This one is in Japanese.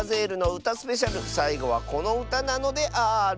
スペシャルさいごはこのうたなのである。